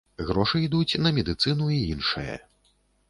Грошы ідуць на медыцыну і іншае.